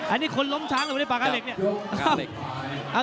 อันนี้คนล้มช้างเลยปากกาเหล็กเนี่ย